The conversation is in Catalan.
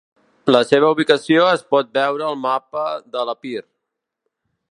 La seva ubicació es pot veure al mapa de l'Epir.